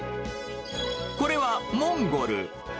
これはモンゴル。